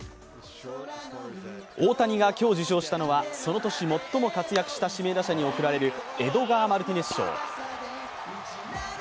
大谷が今日受賞したのは、その年最も活躍した指名打者に贈られるエドガー・マルティネス賞。